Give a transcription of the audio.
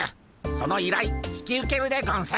そのいらい引き受けるでゴンス。